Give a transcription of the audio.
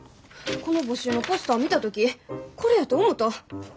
この募集のポスター見た時これやと思うた。